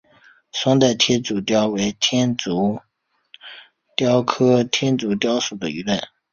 双带天竺鲷为天竺鲷科天竺鲷属的鱼类。